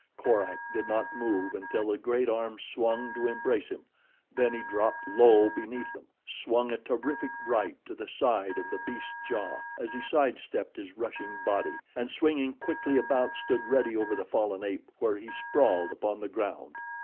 Korak did not move until the great arms swung to embrace him, then he dropped low beneath them, swung a terrific right to the side of the beast's jaw as he side stepped his rushing body, and swinging quickly about stood ready over the fallen ape where he sprawled upon the ground.